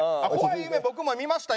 僕も見ましたよ